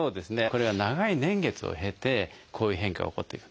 これは長い年月を経てこういう変化が起こっている。